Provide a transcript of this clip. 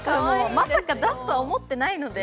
まさか出すとは思ってないので。